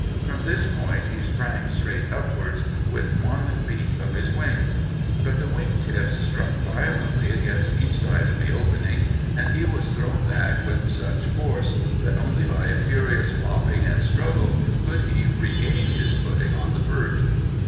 From this point he sprang straight upwards, with one beat of his wings. But the wing tips struck violently against each side of the opening, and he was thrown back with such force that only by a furious flopping and struggle could he regain his footing on the perch.